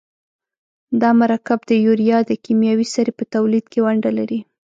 دا مرکب د یوریا د کیمیاوي سرې په تولید کې ونډه لري.